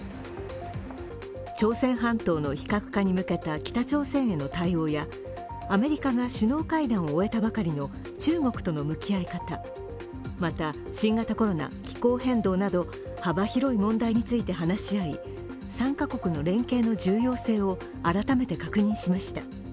朝鮮半島の非核化に向けた北朝鮮への対応やアメリカが首脳会談を終えたばかりの中国との向き合い方また、新型コロナ、気候変動など幅広い問題について話し合い３カ国の連携の重要性を改めて確認しました。